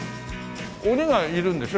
鬼がいるんでしょ？